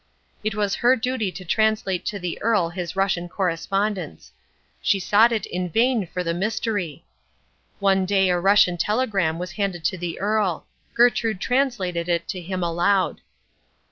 It was her duty to translate to the Earl his Russian correspondence. She sought in it in vain for the mystery. One day a Russian telegram was handed to the Earl. Gertrude translated it to him aloud.